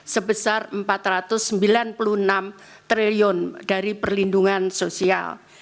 sebesar rp empat ratus sembilan puluh enam triliun dari perlindungan sosial